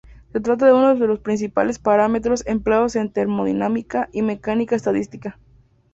Se trata de uno de los principales parámetros empleados en termodinámica y mecánica estadística.